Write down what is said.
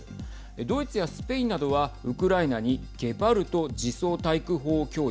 ドイツやスペインなどはウクライナにゲパルト自走対空砲を供与。